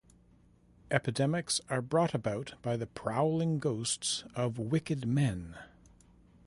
Epidemics are brought about by the prowling ghosts of wicked men.